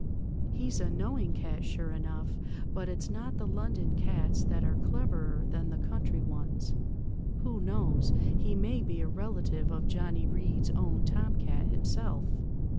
He's a knowing cat, sure enough; but it's not the London cats that are cleverer than the country ones. Who knows, he may be a relative of Johnny Reed's own tom–cat himself."